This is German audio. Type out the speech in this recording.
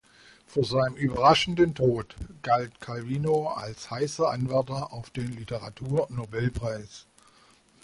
Vor seinem überraschenden Tod galt Calvino als heißer Anwärter auf den Literaturnobelpreis.